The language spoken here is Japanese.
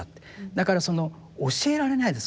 だからその教えられないです